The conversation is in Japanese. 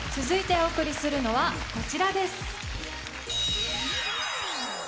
続いてお送りするのは、こちらです。